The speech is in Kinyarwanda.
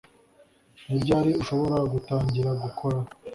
Ni ryari ushobora gutangira gukora